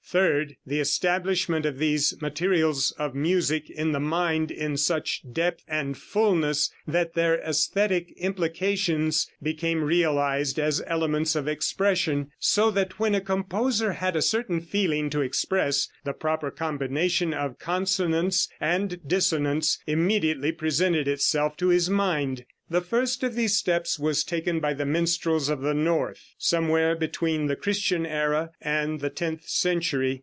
Third, the establishment of these materials of music in the mind in such depth and fullness that their æsthetic implications became realized as elements of expression, so that when a composer had a certain feeling to express, the proper combination of consonance and dissonance immediately presented itself to his mind. The first of these steps was taken by the minstrels of the north, somewhere between the Christian era and the tenth century.